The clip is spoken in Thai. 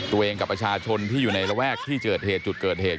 กับประชาชนที่อยู่ในระแวกที่เกิดเหตุจุดเกิดเหตุ